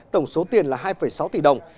tổng số tiền là hai sáu tỷ đồng